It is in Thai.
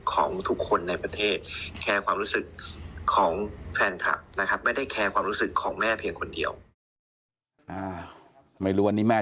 ของทุกคนในประเทศ